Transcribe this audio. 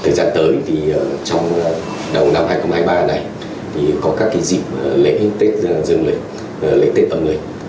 thời gian tới thì trong đầu năm hai nghìn hai mươi ba này thì có các dịp lễ tết dương lệnh lễ tết ấm lệnh